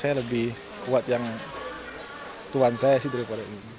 masya allah bisa lebih kuat yang tuan saya sih daripada ini